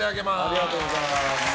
ありがとうございます。